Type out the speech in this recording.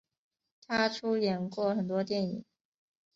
她出演过很多电影。